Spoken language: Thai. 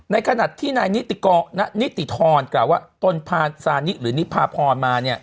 ในขณะที่นายนิติธรกล่าวว่าตนพาซานิหรือนิพาพรมาเนี่ย